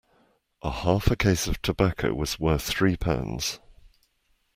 A half a case of tobacco was worth three pounds.